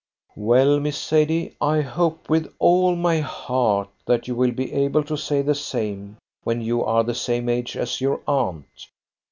"Well, Miss Sadie, I hope with all my heart that you will be able to say the same when you are the same age as your aunt.